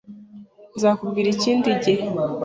Nzakubwira ikindi gihe.